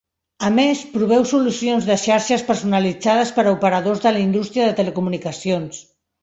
A més, proveu solucions de xarxes personalitzades per a operadors de la indústria de telecomunicacions.